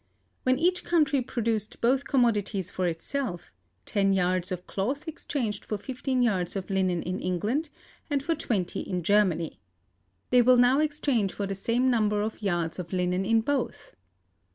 "When each country produced both commodities for itself, ten yards of cloth exchanged for fifteen yards of linen in England, and for twenty in Germany. They will now exchange for the same number of yards of linen in both.